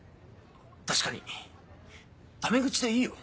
確かにタメ口でいいよ？